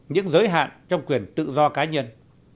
những giới hạn trong quyền tự do cá nhân